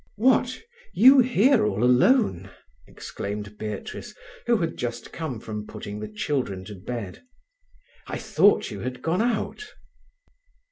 "What, you here all alone!" exclaimed Beatrice, who had just come from putting the children to bed. "I thought you had gone out."